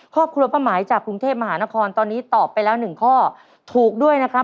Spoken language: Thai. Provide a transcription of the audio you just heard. ครอบครัวป้าหมายจากกรุงเทพมหานครตอนนี้ตอบไปแล้วหนึ่งข้อถูกด้วยนะครับ